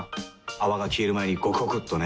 泡が消える前にゴクゴクっとね。